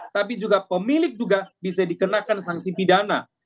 tapi juga pemilik juga bisa dikenakan sanksi pidana